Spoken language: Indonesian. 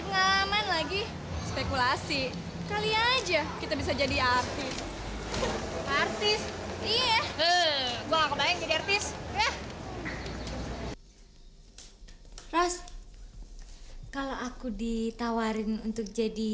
sampai jumpa di video selanjutnya